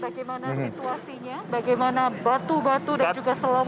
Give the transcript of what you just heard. bagaimana situasinya bagaimana batu batu dan juga selom selom